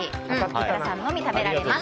設楽さんのみ食べられます。